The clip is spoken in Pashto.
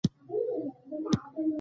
د سږو سرطان د سګرټو له امله ډېر دی.